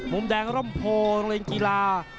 มุมแดงร่มโพลโรงเรียนกีฬา